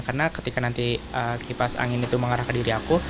karena ketika nanti kipas angin itu mengarah ke diri aku